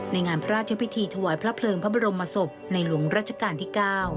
ในงานพระราชพิธีถวายพระเพลิงพระบรมศพในหลวงรัชกาลที่๙